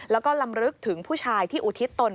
แล้วก็ลำลึกถึงผู้ชายที่อุทิศตน